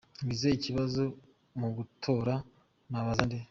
Ngize ikibazo mu gutora nabaza nde?.